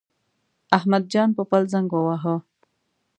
احمد جان پوپل زنګ وواهه.